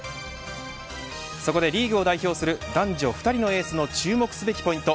そこでリーグを代表する男女２人のエースの注目すべきポイント